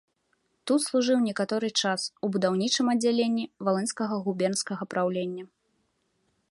Тут служыў некаторы час у будаўнічым аддзяленні валынскага губернскага праўлення.